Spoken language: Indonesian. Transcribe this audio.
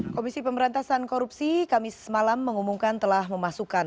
komisi pemberantasan korupsi kamis malam mengumumkan telah memasukkan